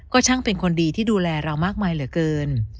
ก็ช่างเป็นคนดีที่ดูแลเรามากมายเหลือเกิน